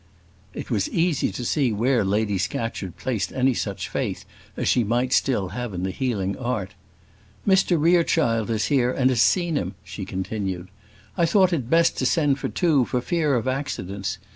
It was easy to see where Lady Scatcherd placed any such faith as she might still have in the healing art. "Mr Rerechild is here and has seen him," she continued. "I thought it best to send for two, for fear of accidents.